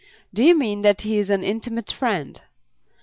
"Do you mean that he is an intimate friend?"